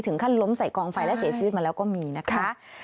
ถึงขั้นล้มใส่กองไฟและเสียชีวิตมาแล้วก็มีนะคะ